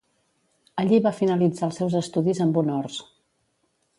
Allí va finalitzar els seus estudis amb honors.